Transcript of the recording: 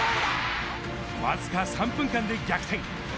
わずか３分間で逆転。